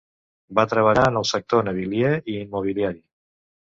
Va treballar en el sector navilier i immobiliari.